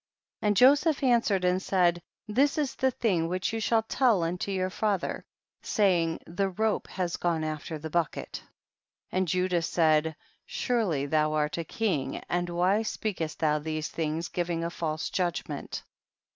And Joseph answered and said, this is the thing which you shall tell unto your father, saying, the rope has gone after the bucket. 23. And Judah said, surely thou art a king, and why speakcst thou these things, giving a false judgment?